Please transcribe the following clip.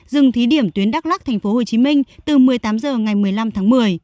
dừng thí điểm tuyến đắk lắc thành phố hồ chí minh từ một mươi tám h ngày một mươi năm tháng một mươi